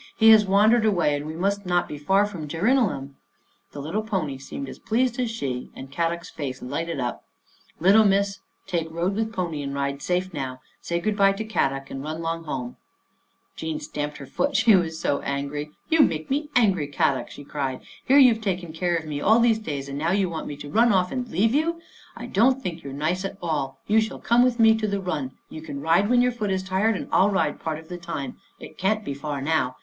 He has wan dered away and we must be not far from Djer inallum !" The little pony seemed as pleased as she, and Kadok's face lighted up, " Little Missa take road with pony and ride safe now. Say good bye to Kadok and run 'long home." Dandy Saves the Day 127 Jean stamped her foot she was so angry. " You make me angry, Kadok," she cried. " Here you've taken care of me all these days and now you want me to run off and leave you ! I don't think you're nice at all. You shall come with me to the run. You can ride when your foot is tired and I'll ride part of the time. It can't be far now.